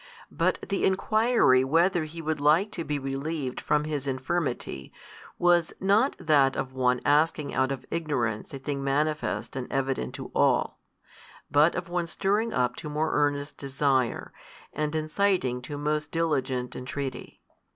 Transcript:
But the enquiry whether he would like to be relieved from his infirmity was not that of one asking out of ignorance a thing manifest and evident to all, but of one stirring up to more earnest desire, and inciting to most diligent entreaty.